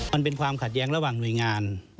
มันเป็นความขัดแย้งระหว่างหน่วยงาน